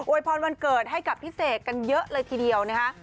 วยพรวันเกิดให้กับพี่เสกกันเยอะเลยทีเดียวนะคะ